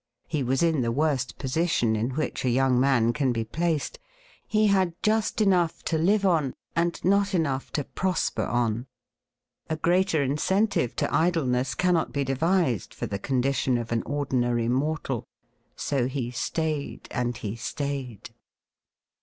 He was in the 'worst position in which a young man can be placed ; he .had just enough to live on, and not enough to prosper on. A greater incentive to idleness cannot be devised for the ■condition of an ordinary mortal. So he stayed and he .stayed.